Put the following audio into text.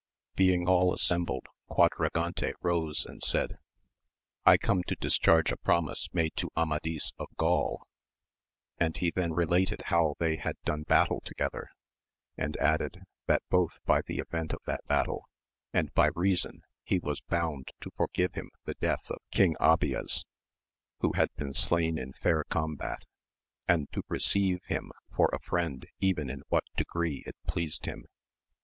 Being all assembled Quadragante rose and said, I come to dis charge a promise made to Amadis of Gaul; and he then related how they had done battle together, and added, That both by the event of that battle, and by reason he was bound to forgive him the death of King Abies, who had been slain in fair combat, and to receive him for a friend even in what degree it pleased him.